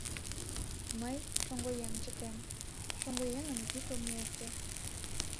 Мый, шоҥго еҥ, чытем: шоҥго еҥын йӱд омо уке.